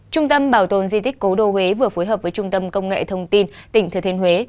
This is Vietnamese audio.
trung tâm bảo tồn di tích cố đô huế vừa phối hợp với trung tâm công nghệ thông tin tỉnh thừa thiên huế